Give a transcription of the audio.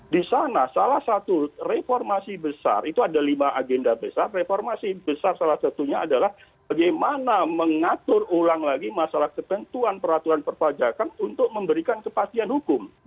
di sana salah satu reformasi besar itu ada lima agenda besar reformasi besar salah satunya adalah bagaimana mengatur ulang lagi masalah ketentuan peraturan perpajakan untuk memberikan kepastian hukum